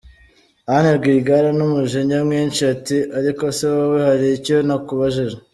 Anne Rwigara n’umujinya mwinshi, ati “Ariko se wowe hari icyo nakubajije?